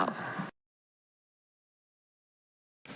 บทธิพธิอีกที